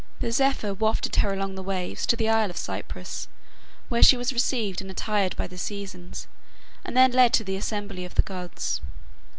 The zephyr wafted her along the waves to the Isle of Cyprus, where she was received and attired by the Seasons, and then led to the assembly of the gods.